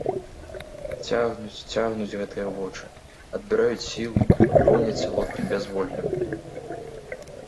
Цягнуць, цягнуць гэтыя вочы, адбіраюць сілы, поўняць салодкім бязволлем.